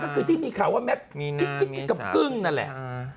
ก็คือที่มีข่าวว่าแมทกิ๊กกับกึ้งนั่นแหละ